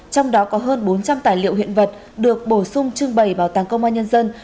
trong đó có hơn bốn trăm linh tài liệu hiện vật được bổ sung trưng bày bảo tàng công an nhân dân